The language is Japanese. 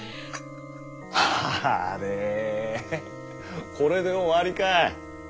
あれこれで終わりかい？